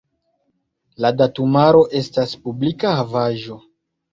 La datumaro estas publika havaĵo.